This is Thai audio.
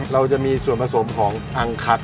เราจะมีส่วนผสมของอังคัก